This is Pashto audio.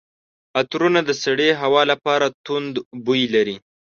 عطرونه د سړې هوا لپاره توند بوی لري.